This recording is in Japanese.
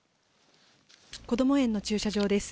こども園の駐車場です。